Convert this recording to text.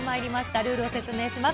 ルールを説明します。